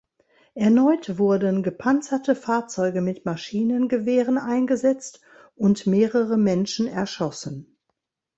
Erneut wurden gepanzerte Fahrzeuge mit Maschinengewehren eingesetzt und mehrere Menschen erschossen.